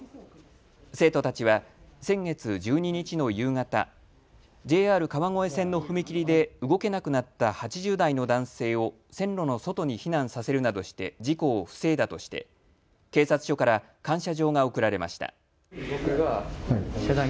生徒たちは先月１２日の夕方、ＪＲ川越線の踏切で動けなくなった８０代の男性を線路の外に避難させるなどして事故を防いだとして警察署から感謝状が贈られました。